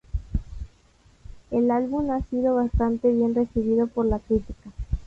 El álbum ha sido bastante bien recibido por la crítica.